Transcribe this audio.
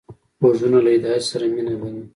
غوږونه له هدایت سره مینه لري